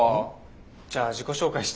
じゃあ自己紹介して。